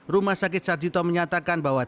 rumah sakit sarjito menyatakan bahwa